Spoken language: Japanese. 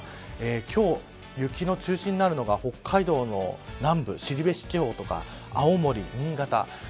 今日、雪の中心になるのが北海道の南部青森、新潟